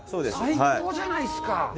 最高じゃないですか！